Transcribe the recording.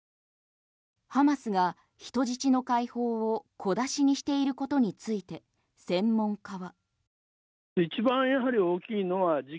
ハマスが人質の解放を小出しにしていることについて専門家は。